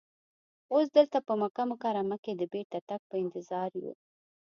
اوس دلته په مکه مکرمه کې د بېرته تګ په انتظار یو.